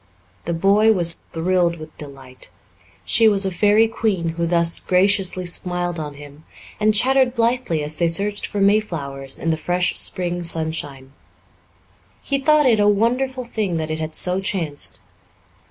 The boy was thrilled with delight. She was a fairy queen who thus graciously smiled on him and chattered blithely as they searched for mayflowers in the fresh spring sunshine. He thought it a wonderful thing that it had so chanced.